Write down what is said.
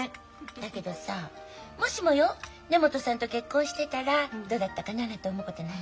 だけどさもしもよ根本さんと結婚してたらどうだったかななんて思うことない？